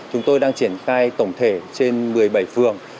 chúng tôi đang triển khai tổng thể trên một mươi bảy phường